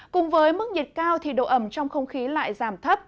cùng với mức nhiệt cao thì độ ẩm trong không khí lại giảm thấp